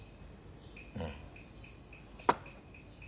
うん。